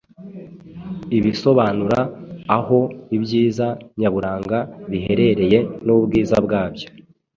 ibisobanura aho ibyiza nyaburanga biherereye n’ubwiza bwabyo,